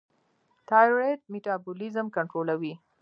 تایرویډ میټابولیزم کنټرولوي.